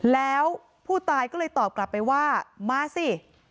แล้วผู้ตายก็เลยตอบกลับไปว่ามาสิ